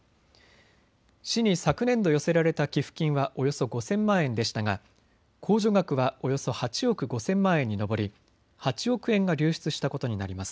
市に昨年度寄せられた寄付金はおよそ５０００万円でしたが控除額はおよそ８億５０００万円に上り８億円が流出したことになります。